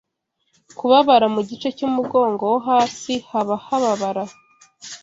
Kubabara mu gice cy’umugongo wo hasi haba hababara